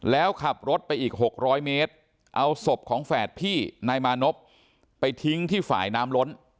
แล้วขับรถไปอีก๖๐๐เมตรเอาศพของแฝดพี่นายมานพไปทิ้งที่ฝ่ายน้ำล้น